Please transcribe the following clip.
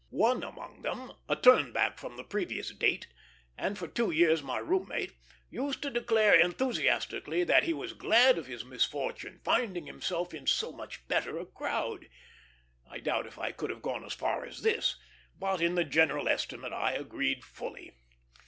One among them, a turn back from the previous Date, and for two years my room mate, used to declare enthusiastically that he was glad of his misfortune, finding himself in so much better a crowd. I doubt if I could have gone as far as this, but in the general estimate I agreed fully.